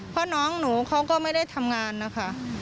เพราะน้องหนูเขาก็ไม่ได้ทำงานนะคะ